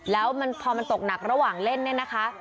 แล้วพอมันตกหนักระหว่างเล่นเนี่ยนะคะ